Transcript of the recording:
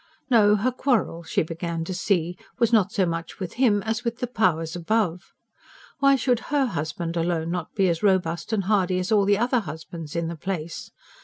No, her quarrel, she began to see, was not so much with him as with the Powers above. Why should HER husband alone not be as robust and hardy as all the other husbands in the place?